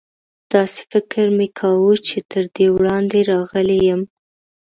داسې فکر مې کاوه چې تر دې وړاندې راغلی یم.